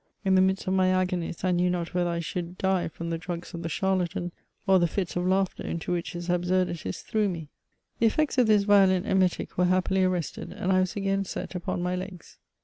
In the midst of my agonies, I knew not whether I should die from the drugs of the charlatan, or the fits of laughter into which his absurdities threw me. The effects of this violent emetic were happily arrested, and I was again set upon my legs.